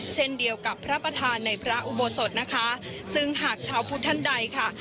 เช่นเดียวกับพระประธานในพระอุโบสถนะคะซึ่งหากชาวพุทธท่านใดค่ะ